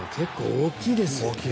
大きいですよ。